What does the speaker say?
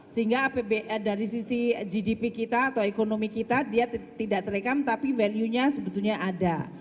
sehingga dari sisi gdp kita atau ekonomi kita dia tidak terekam tapi value nya sebetulnya ada